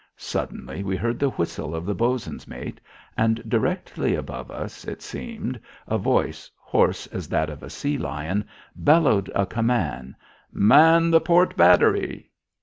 Suddenly we heard the whistle of the bos'n's mate, and directly above us, it seemed, a voice, hoarse as that of a sea lion, bellowed a command: "Man the port battery."